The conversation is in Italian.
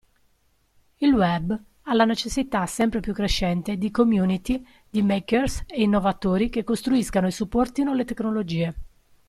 Il Web ha la necessità sempre più crescente di community di makers e innovatori che costruiscano e supportino le tecnologie.